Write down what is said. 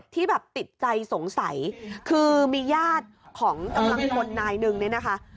ที่แบบติดใจสงสัยคือมีญาติของคนละอีนึงนะคะ